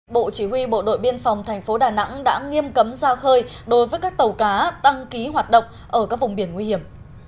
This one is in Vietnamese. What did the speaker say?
bộ chỉ huy bộ đội biên phòng thành phố đà nẵng đã nghiêm cấm ra khơi đối với các tàu cá tăng ký hoạt động ở các vùng biển nguy hiểm